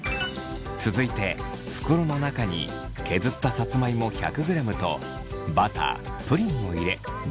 続いて袋の中に削ったさつまいも１００ｇとバタープリンを入れ混ぜます。